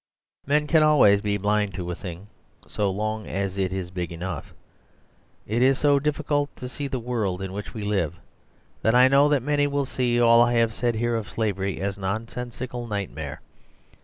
Men can always be blind to a thing so long as it is big enough. It is so difiicult to see the world in which we live, that I know that many will see all I have said here of slavery as a nonsensical nightmare.